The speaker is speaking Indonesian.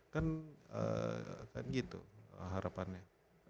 kan gitu harapannya